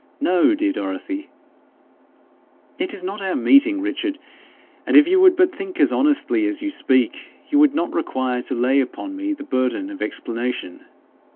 No, dear Dorothy ' 'It is not our meeting, Richard; and if you would but think as honestly as you speak, you would not require to lay upon me the burden of explanation.